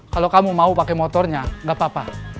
kalau kamu mau pakai motornya nggak apa apa